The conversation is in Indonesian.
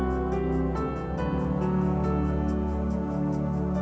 kamu mulai mudah